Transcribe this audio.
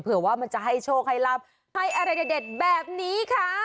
เผื่อมันจะให้โชคให้ลับให้อะไรแบบนี้